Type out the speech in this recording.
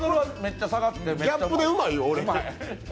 ギャップでうまい？